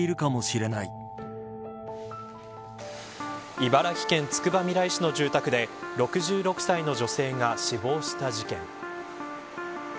茨城県つくばみらい市の住宅で６６歳の女性が死亡した事件。